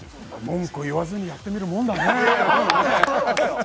文句を言わずにやってみるもんだね。